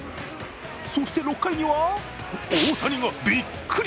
そして６回には、大谷がびっくり。